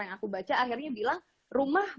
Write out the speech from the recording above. yang aku baca akhirnya bilang rumah